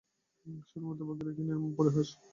শেষ মুহূর্তে ভাগ্যের একি নির্মম পরিহাস ছিল!